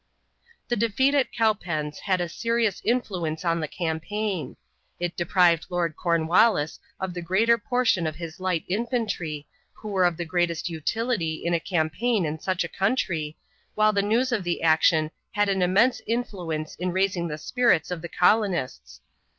The defeat at Cowpens had a serious influence on the campaign. It deprived Lord Cornwallis of the greater portion of his light infantry, who were of the greatest utility in a campaign in such a country, while the news of the action had an immense influence in raising the spirits of the colonists.